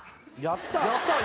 「やったー！」